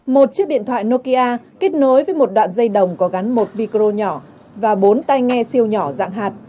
một chiếc điện thoại nokia kết nối với một đoạn dây đồng có gắn một viko nhỏ và bốn tay nghe siêu nhỏ dạng hạt